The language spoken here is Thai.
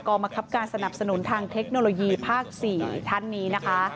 กรรมคับการสนับสนุนทางเทคโนโลยีภาค๔ท่านนี้นะคะ